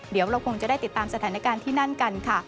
เดี๋ยวเราคงจะได้ติดตามสถานการณ์ที่นั่นกันค่ะ